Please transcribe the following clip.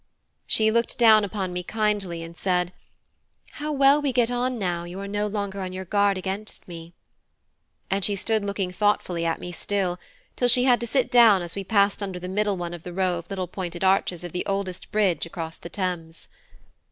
She looked down upon me kindly, and said, "How well we get on now you are no longer on your guard against me!" And she stood looking thoughtfully at me still, till she had to sit down as we passed under the middle one of the row of little pointed arches of the oldest bridge across the Thames.